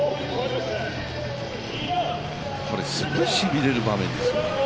これ、すごいしびれる場面ですよ。